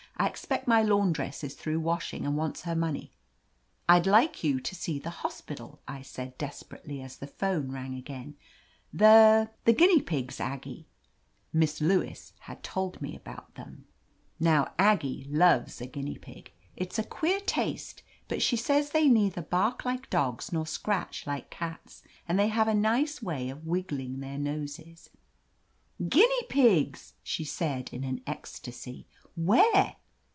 I expect my laundress is through wash ing and wants her money." "I'd like you to see the hospital," I said des perately as the 'phone rang again. "The — ^the guinea pigs, Aggie." Miss Lewis had told me about them. no OF LETITIA CARBERRY Now, Aggie loves a guinea pig. It's a queer taste, but she says they neither bark like dogs nor scratch like cats, and they have a nice way of wiggling their noses. "Guinea pigs !'* she said in an ecstacy "Where?"